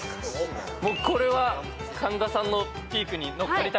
これは神田さんのピークに乗っかりたいと思います。